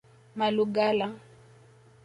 Malugala